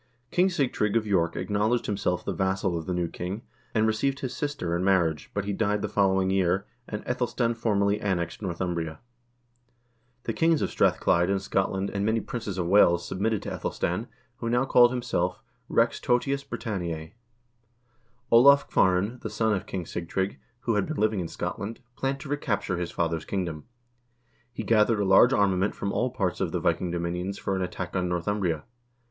King Sigtrygg of York acknowl edged himself the vassal of the new king, and received his sister in marriage, but he died the following year, and iEthelstan formally annexed Northumbria. The kings of Strathchlyde and Scotland 156 HISTORY OF THE NORWEGIAN PEOPLE and many princes of Wales submitted to iEthelstan, who now called himself Rex totius Britanniae. Olav Kvaaran, the son of King Sig trygg, who had been living in Scotland, planned to recapture his father's kingdom. He gathered a large armament from all parts of the Viking dominions for an attack on Northumbria.